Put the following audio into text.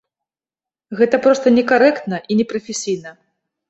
Гэта проста некарэктна і непрафесійна.